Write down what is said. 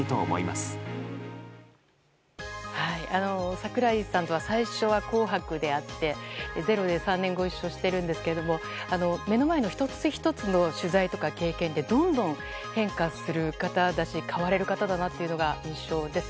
櫻井さんとは最初は「紅白」で会って「ｚｅｒｏ」で３年ご一緒してるんですけれども目の前の１つ１つの取材とか経験ってどんどん変化する方だし変われる方だなという印象です。